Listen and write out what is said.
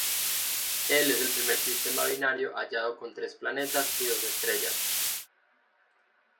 Él es primer sistema binario hallado con tres planetas y dos estrellas.